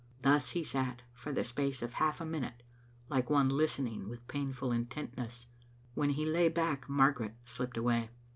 Thus he sat, for the space of half a min ute, like one listening with painful intentness. When he lay back Margaret slipped away.